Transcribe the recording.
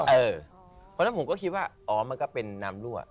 เพราะฉะนั้นผมก็คิดว่าอ๋อมันก็เป็นน้ำรั่ว